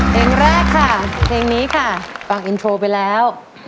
เพลงแรกค่ะเพลงนี้ค่ะฟังอินโทรไปแล้ว